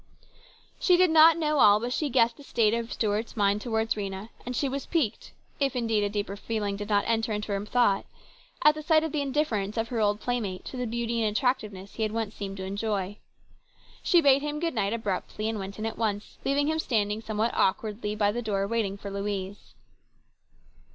She did not know all, but she guessed the state of Stuart's mind towards Rhena, and she was piqued, if indeed a deeper feeling did not enter into her thought, at the sight of the indifference of her old playmate to the beauty and attractiveness he had once seemed to enjoy. She bade him good night abruptly and went in at once, leaving him standing somewhat awkwardly by the door waiting for Louise.